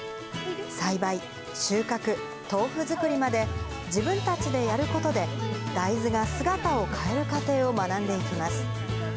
栽培、収穫、豆腐作りまで、自分たちでやることで、大豆が姿を変える過程を学んでいきます。